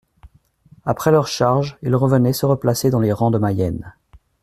Après leur charge, ils revenaient se replacer dans les rangs de Mayenne.